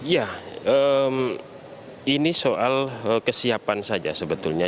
ya ini soal kesiapan saja sebetulnya